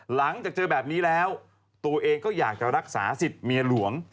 หลังจากเจอแบบนี้แล้วตัวเองก็อยากจะรักษาสิทธิ์เมียหลวง